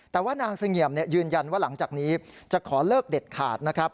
แต่ว่านางเสงี่ยมยืนยันว่าหลังจากนี้จะขอเลิกเด็ดขาดนะครับ